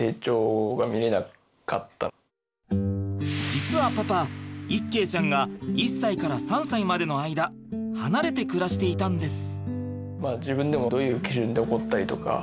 実はパパ一慶ちゃんが１歳から３歳までの間離れて暮らしていたんです。